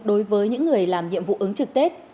đối với những người làm nhiệm vụ ứng trực tết